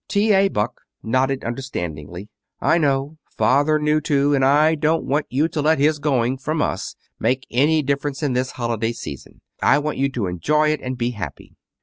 T. A. Buck nodded understandingly. "I know. Father knew too. And I don't want you to let his going from us make any difference in this holiday season. I want you to enjoy it and be happy."